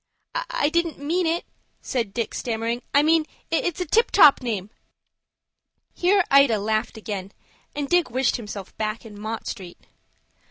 "I didn't mean it," said Dick, stammering. "I meant it's a tip top name." Here Ida laughed again, and Dick wished himself back in Mott Street.